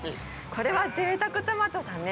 これはぜいたくトマトだね。